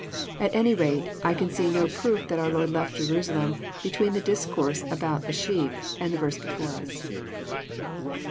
At any rate, I can see no proof that our Lord left Jerusalem between the discourse about the sheep " and the verse before us.